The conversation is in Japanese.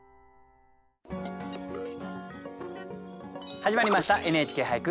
始まりました「ＮＨＫ俳句」。